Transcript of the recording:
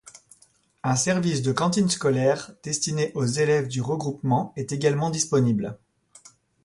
Un service de cantine scolaire destiné aux élèves du regroupement est également disponible.